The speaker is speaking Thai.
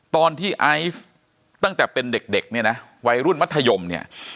ตอนที่ไอซ์ตั้งแต่เป็นเด็กเนี่ยนะวัยรุ่นมัธยมเนี่ย